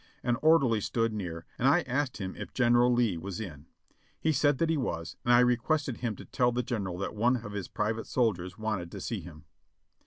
An orderly stood near, and I asked him if General Lee was in. He said that he was, and I requested him to tell the General that one of his private soldiers wanted to see him.